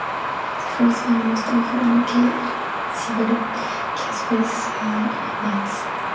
The fruits are most often loculicidal capsules, schizocarps or nuts.